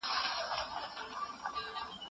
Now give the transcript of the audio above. د تېرو څلوېښتو کلونو مطالعه ډېره مهمه ده.